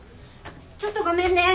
ちょっとごめんね。